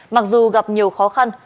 mặc dù gặp nhiều khó khăn